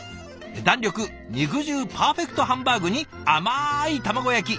弾力肉汁パーフェクトハンバーグに甘い卵焼き。